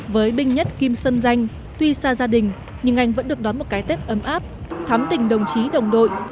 với binh nhất kim sơn danh tuy xa gia đình nhưng anh vẫn được đón một cái tết ấm áp thắm tình đồng chí đồng đội